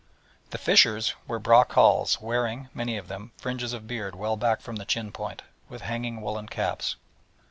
The fishers were braw carles, wearing, many of them, fringes of beard well back from the chin point, with hanging woollen caps.